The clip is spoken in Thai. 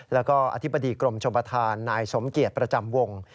แล้วก็อธิบดีกรมชมประธานนายสมเกียจประจำวง